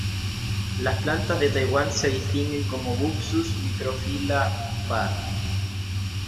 Las plantas de Taiwán se distinguen como "Buxus microphylla" var.